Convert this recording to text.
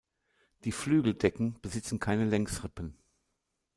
Die Flügeldecken besitzen keine Längsrippen.